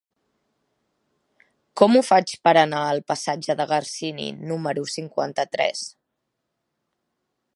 Com ho faig per anar al passatge de Garcini número cinquanta-tres?